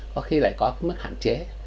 có khi lại có cái mức hạn chế